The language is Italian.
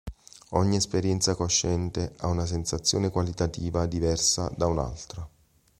Ogni esperienza cosciente ha una sensazione qualitativa diversa da un'altra.